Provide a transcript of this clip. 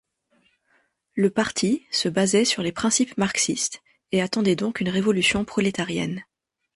Le parti se basait sur les principes marxistes et attendait donc une révolution prolétarienne.